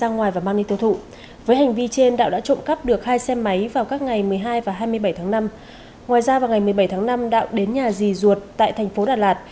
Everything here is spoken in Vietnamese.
ngoài ra vào ngày một mươi bảy tháng năm đạo đến nhà dì ruột tại thành phố đà lạt